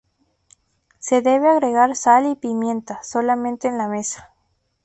Se debe agregar sal y pimienta solamente en la mesa.